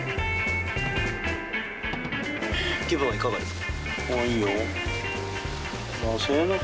気分はいかがですか？